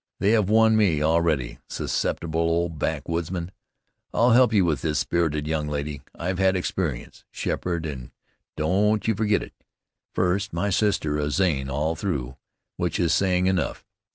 They have won me, already, susceptible old backwoodsman! I'll help you with this spirited young lady. I've had experience, Sheppard, and don't you forget it. First, my sister, a Zane all through, which is saying enough.